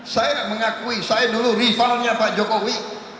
saya mengakui saya dulu rivalnya pak jokowi